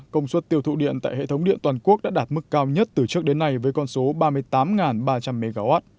công suất tiêu thụ điện tại hệ thống điện toàn quốc đã đạt mức cao nhất từ trước đến nay với con số ba mươi tám ba trăm linh mw